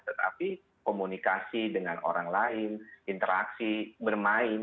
tetapi komunikasi dengan orang lain interaksi bermain